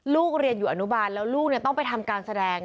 ลูกเรียนอยู่อนุบาลแล้วลูกต้องไปทำการแสดง